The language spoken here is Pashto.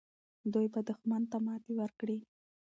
دوی به دښمن ته ماتې ورکړي.